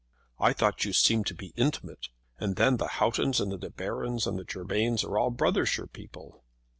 "I thought you seemed to be intimate. And then the Houghtons and the De Barons and the Germains are all Brothershire people."